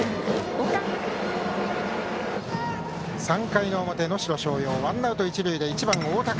３回の表、能代松陽ワンアウト、一塁で１番、大高。